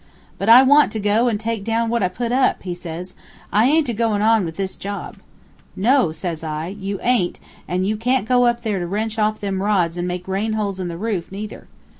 'But I want to go and take down what I put up,' he says; 'I aint a goin' on with this job.' 'No,' says I, 'you aint; and you can't go up there to wrench off them rods and make rain holes in the roof, neither.'